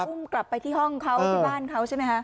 อุ้มกลับไปที่ห้องเขาที่บ้านเขาใช่ไหมคะ